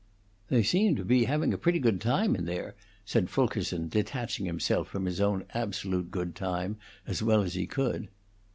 "They seem to be having a pretty good time in there," said Fulkerson, detaching himself from his own absolute good time as well as he could.